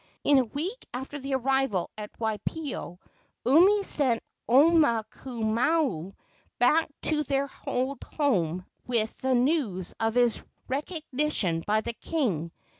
In a week after his arrival at Waipio, Umi sent Omaukamau back to their old home with news of his recognition by the king.